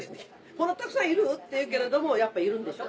「こんなたくさんいる？」って言うけれどもやっぱいるんでしょ？